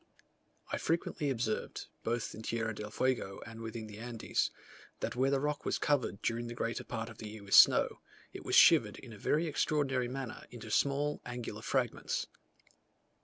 I frequently observed, both in Tierra del Fuego and within the Andes, that where the rock was covered during the greater part of the year with snow, it was shivered in a very extraordinary manner into small angular fragments.